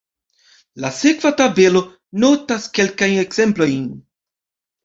La sekva tabelo notas kelkajn ekzemplojn.